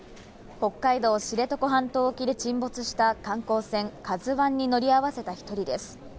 北海道・知床半島沖で沈没した観光船「ＫＡＺＵ１」に乗り合わせた１人です。